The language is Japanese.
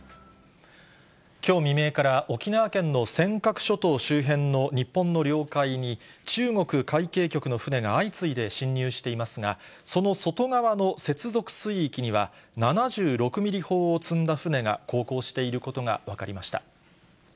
きょう未明から、沖縄県の尖閣諸島周辺の日本の領海に、中国海警局の船が相次いで侵入していますが、その外側の接続水域には、７６ミリ砲を積んだ船が航行していることが分かりました。